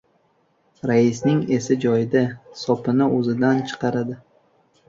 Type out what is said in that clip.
— Raisning esi joyida! Sopini o‘zidan chiqaradi!